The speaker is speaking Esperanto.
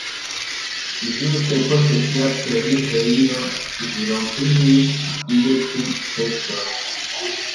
Ĝuste post sia perihelio ĝi rompiĝis je tri pecoj.